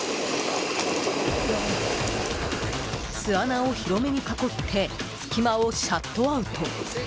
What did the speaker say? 巣穴を広めに囲って隙間をシャットアウト。